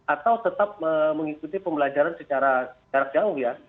atau tetap mengikuti pembelajaran secara jarak jauh ya